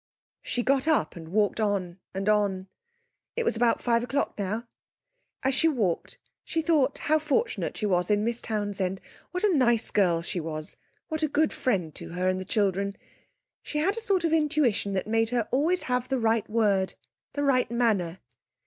She got up and walked on and on. It was about five o'clock now. As she walked, she thought how fortunate she was in Miss Townsend; what a nice girl she was, what a good friend to her and the children. She had a sort of intuition that made her always have the right word, the right manner.